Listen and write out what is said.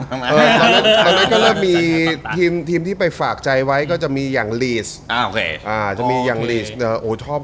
ตอนนั้นก็เริ่มมีทีมที่ไปฝากใจไว้ก็จะมีอย่างลีสจะมีอย่างลีสชอบ